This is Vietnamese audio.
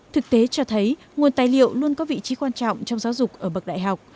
thực tế cho thấy nguồn tài liệu luôn có vị trí quan trọng trong giáo dục ở bậc đại học